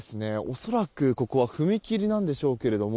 恐らく、ここは踏切なんでしょうけれども。